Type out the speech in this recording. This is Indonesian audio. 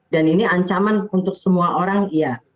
dan ini ancaman untuk semua orang iya